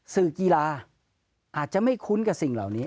สื่อกีฬาอาจจะไม่คุ้นกับสิ่งเหล่านี้